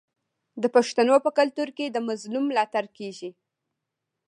د پښتنو په کلتور کې د مظلوم ملاتړ کیږي.